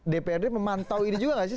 dprd memantau ini juga nggak sih